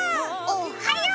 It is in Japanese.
おっはよう！